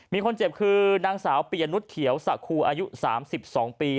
มีคนเจ็บคือนางสาวปียนุษย์เขียวสะครูอายุ๓๒ปี